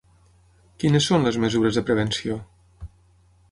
Quines són les mesures de prevenció?